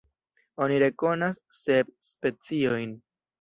Oni rekonas sep speciojn.